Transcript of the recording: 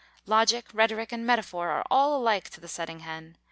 Logic, rhetoric and metaphor are all alike to the setting hen.